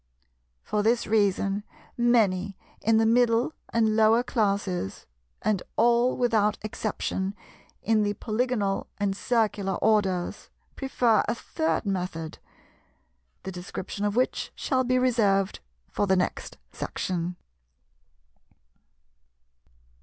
For this reason many in the Middle and Lower classes, and all without exception in the Polygonal and Circular orders, prefer a third method, the description of which shall be reserved for the next section.